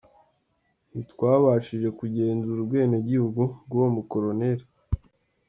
Ntitwabashije kugenzura ubwenegihugu bw’uwo mu colonel.”